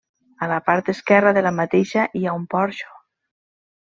A la part esquerra de la mateixa hi ha un porxo.